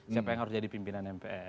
siapa yang harus jadi pimpinan mpr